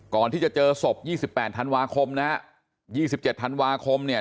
ก่อนที่จะเจอศพยี่สิบแปดธันวาคมนะยี่สิบเจ็ดธันวาคมเนี่ย